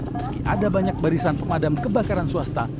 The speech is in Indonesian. meski ada banyak barisan pemadam kebakaran swasta